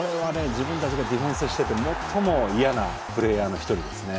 自分たちがディフェンスしてて最も嫌なプレーヤーの一人ですね。